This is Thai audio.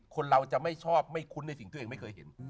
คนเราจะไม่ชอบไม่คุ้นในสิ่งที่ตัวเองไม่เคยเห็น